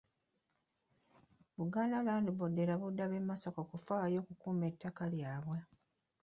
Buganda Land Board erabudde ab'e Masaka okufaayo okukuuma ettaka lyabwe.